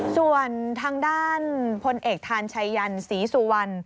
ส่วนทางด้านพลเอกทานชัยยันศรีสุวรรณ